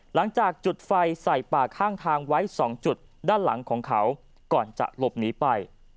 หลังจากจุดไฟใส่ป่าข้างทางไว้๒จุดด้านหลังของเขาก่อนจะหลบหนีไป